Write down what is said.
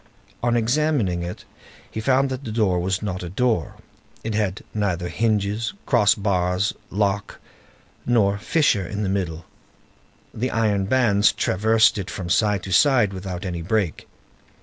On examining it he found that the door was not a door; it had neither hinges, cross bars, lock, nor fissure in the middle; the iron bands traversed it from side to side without any break.